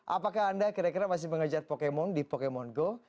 apakah anda kira kira masih mengejar pokemon di pokemon go